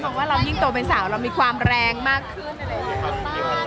เพราะว่าเรายิ่งโตเป็นสาวเรามีความแรงมากขึ้นอะไรอย่างนี้ครับ